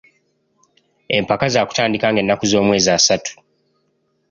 Empaka zaakutandika nga ennaku z’omwezi asatu.